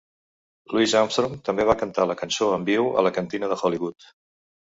Louis Armstrong també va cantar la cançó en viu a la Cantina de Hollywood.